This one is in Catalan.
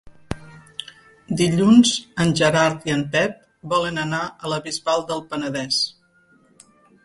Dilluns en Gerard i en Pep volen anar a la Bisbal del Penedès.